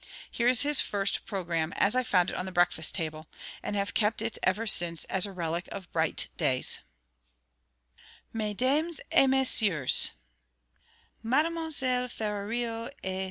Here is his first programme, as I found it on the breakfast table, and have kept it ever since as a relic of bright days: 'Mesdames et Messieurs, '_Mademoiselle Ferrario et M.